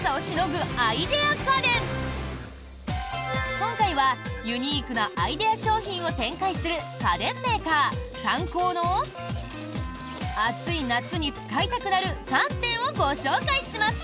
今回は、ユニークなアイデア商品を展開する家電メーカー、サンコーの暑い夏に使いたくなる３点をご紹介します。